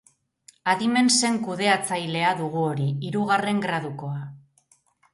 Adimen sen-kudeatzailea dugu hori, hirugarren gradukoa.